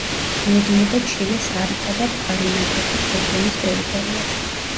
მიედინება ჩილეს არიკა და პარინაკოტას რეგიონის ტერიტორიაზე.